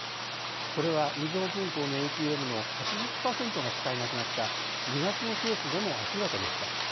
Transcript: これはみずほ銀行のＡＴＭの８０％が使えなくなった２月のケースでも明らかでした。